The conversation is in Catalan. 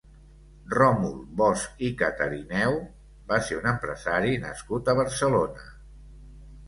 Ròmul Bosch i Catarineu va ser un empresari nascut a Barcelona.